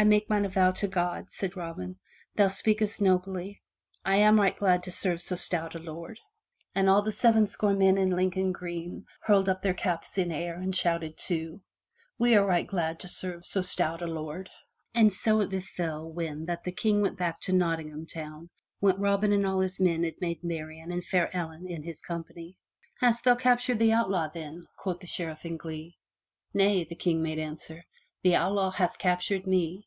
"I make mine avow to God," says Robin. "Thou speakest nobly. I am right glad to serve so stout a lord." And all the n M Y BOOK HOUSE sevenscore men in Lincoln green hurled up their caps in air and shouted too: We are right glad to serve so stout a lord/' And so it befell when that the King went back to Nottingham town, went Robin and all his men and Maid Marian and fair Ellen in his good company. "Hast captured the outlaw then? quoth the Sheriff in glee. "Nay/* the King made answer. "The outlaw hath captured me!